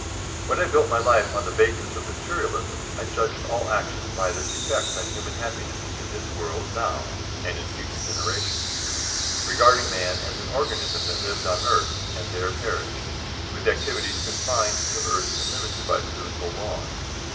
When I built my life on the basis of Materialism I judged all actions by their effect on human happiness in this world now and in future generations, regarding man as an organism that lived on earth and there perished, with activities confined to earth and limited by physical laws.